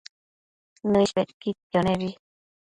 Nëish bedquidquio nebi